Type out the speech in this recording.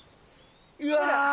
うわ！